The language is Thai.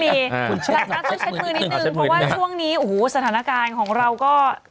นะคะต้องเช็ดมือนิดนึงเพราะว่าช่วงนี้โอ้โหสถานการณ์ของเราก็